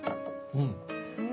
うん！